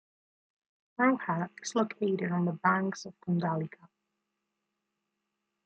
Roha is located on the banks of Kundalika.